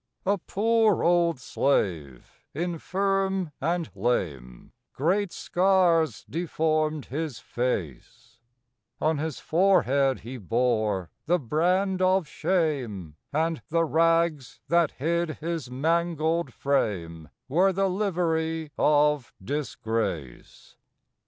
A poor old slave, infirm and lame; Great scars deformed his face; On his forehead he bore the brand of shame, And the rags, that hid his mangled frame, Were the livery of disgrace.